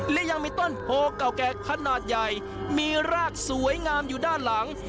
และยังมีต้นโพเก่าแก่ขนาดใหญ่มีรากสวยงามอยู่ด้านหลัง